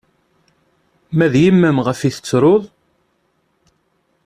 Ma d yemma-m ɣef i tettruḍ?